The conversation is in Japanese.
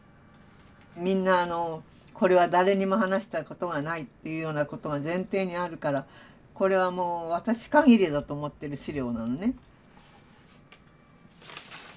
みんなこれは誰にも話したことがないというようなことが前提にあるからこれはもう私限りだと思ってる資料なのね。